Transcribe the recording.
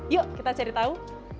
yuk kita cari tau